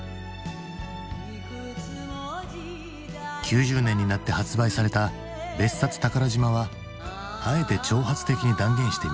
９０年になって発売された「別冊宝島」はあえて挑発的に断言してみせた。